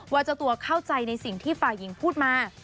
เจ้าตัวเข้าใจในสิ่งที่ฝ่ายหญิงพูดมา